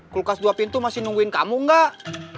kulkas dua pintu masih nungguin kamu gak